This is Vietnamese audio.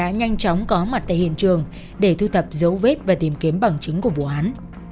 công an tỉnh đã nhanh chóng có mặt tại hiện trường để thu thập dấu vết và tìm kiếm bằng chứng của vụ án